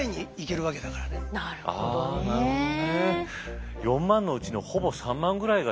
なるほどね。